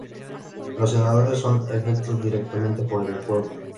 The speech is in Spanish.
Los senadores son electos directamente por el pueblo.